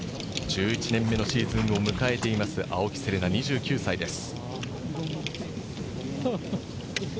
１１年目のシーズンを迎えています、青木瀬令奈２９歳です。